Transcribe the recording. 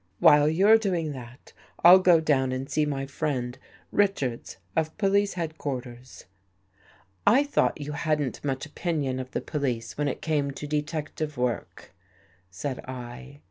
While you're doing that, I'll go down and see my friend Richards of Police Head quarters." ' I thought you hadn't much opinion of the police when it came to detective work," said I.